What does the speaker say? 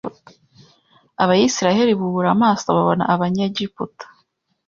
Abisirayeli bubura amaso babona Abanyegiputa